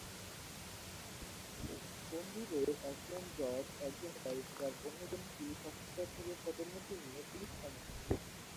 বন্ধুদের একজন জজ, একজন ব্যারিস্টার, অন্যজন পুলিশ অফিসার থেকে পদোন্নতি নিয়ে পুলিশ কমিশনার।